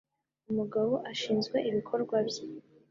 Umugabo ashinzwe ibikorwa bye.